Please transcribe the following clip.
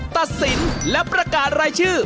ตัดสินและประกาศรายชื่อ